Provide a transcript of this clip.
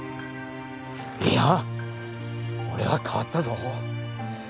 いやあ俺は変わったぞ。